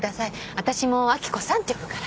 私も明子さんって呼ぶから。